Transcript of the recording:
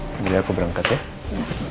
jadi aku berangkat ya